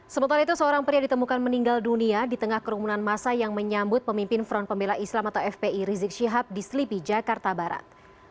sementara itu seorang pria ditemukan meninggal dunia di tengah kerumunan masa yang menyambut pemimpin front pembela islam atau fpi rizik syihab di selipi jakarta barat